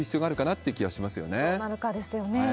どうなるかですよね。